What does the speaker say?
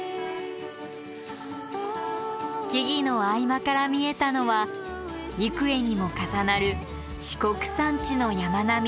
木々の合間から見えたのは幾重にも重なる四国山地の山並み。